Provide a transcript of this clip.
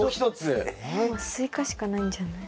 もうスイカしかないんじゃない？